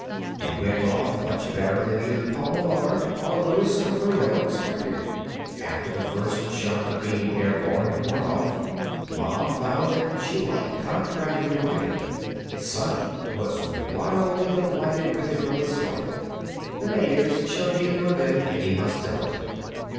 It went off much better than either Paul Meillard or Luis Gofredo expected. After the first shock of being air borne had worn off, Mom found that she liked contragravity riding; Sonny was wildly delighted with it from the start. The natives showed neither of them any hostility.